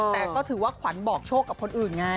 แต่ก็ถือว่าขวัญบอกโชคกับคนอื่นไง